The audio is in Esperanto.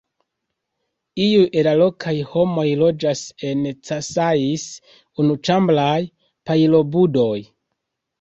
Iuj el la lokaj homoj loĝas en casais, unuĉambraj pajlobudoj.